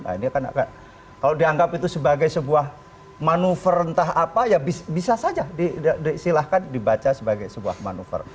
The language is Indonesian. nah ini akan kalau dianggap itu sebagai sebuah manuver entah apa ya bisa saja disilahkan dibaca sebagai sebuah manuver